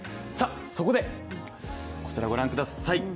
そこでこちらをご覧ください。